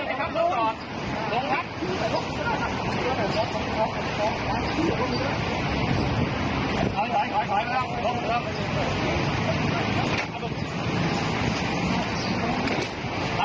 ถ่ายมาแล้วคุณครับ